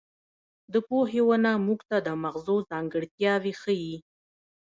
د پوهې ونه موږ ته د مغزو ځانګړتیاوې ښيي.